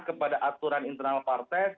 kepada aturan internal partai